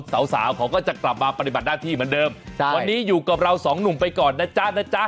สาวสาวเขาก็จะกลับมาปฏิบัติหน้าที่เหมือนเดิมวันนี้อยู่กับเราสองหนุ่มไปก่อนนะจ๊ะนะจ๊ะ